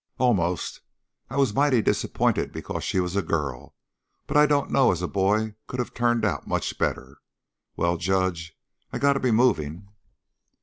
"Almost. I was mighty disappointed because she was a girl, but I don't know as a boy could of turned out much better. Well, Judge, I got to be moving."